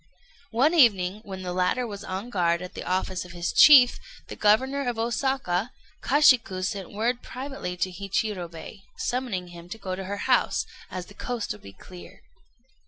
One evening, when the latter was on guard at the office of his chief, the Governor of Osaka, Kashiku sent word privately to Hichirobei, summoning him to go to her house, as the coast would be clear.